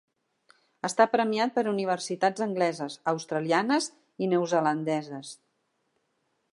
Està premiat per universitats angleses, australianes i neozelandeses.